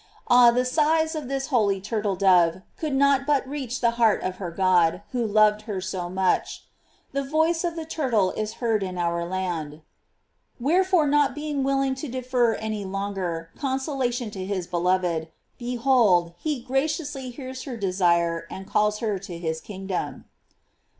Ah, the sighs of this holy turtle dove could not but reach the heart of her God, who loved her so much: "The voice of the turtle is heard in our land." Wherefore not be ing willing to defer any longer consolation to his beloved, behold, he graciously hears her de sire and calls her to his kingdom.